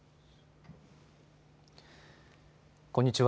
こんにちは。